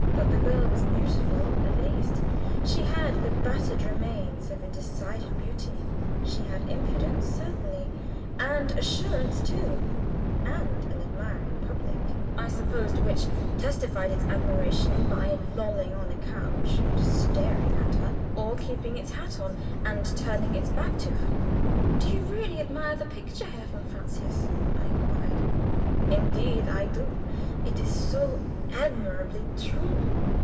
That the girl was beautiful at least, she had the battered remains of a decided beauty; she had impudence certainly, and assurance too, and an admiring public, I supposed, which testified its admiration by lolling on a couch and staring at her, or keeping its hat on and turning its back to her. "Do you really admire the picture, Herr von Francius?" I inquired. "Indeed I do. It is so admirably true.